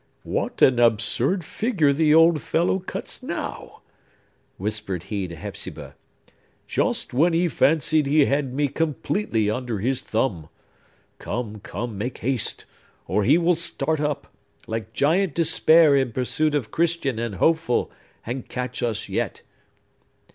"What an absurd figure the old fellow cuts now!" whispered he to Hepzibah. "Just when he fancied he had me completely under his thumb! Come, come; make haste! or he will start up, like Giant Despair in pursuit of Christian and Hopeful, and catch us yet!"